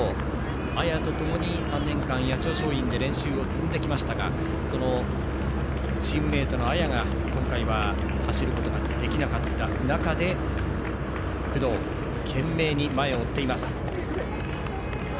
綾とともに３年間、八千代松陰で練習を積んできましたがチームメートの綾が、今回は走ることができなかった中で工藤、懸命に前を追っています。